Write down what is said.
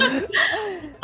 jadi kita tuh lebih besar